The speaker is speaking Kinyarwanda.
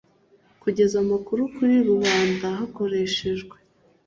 kugeza amakuru kuri rubanda hakoreshejwe